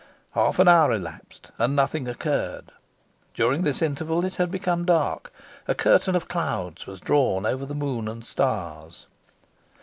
Half an hour elapsed, and nothing occurred. During this interval it had become dark. A curtain of clouds was drawn over the moon and stars.